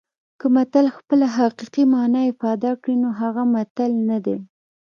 که متل خپله حقیقي مانا افاده کړي نو هغه متل نه دی